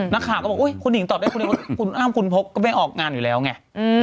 นักข่าวก็บอกคุณหนิ่งตอบได้อ้าวคุณพกก็แม่งออกงานอยู่แล้วไง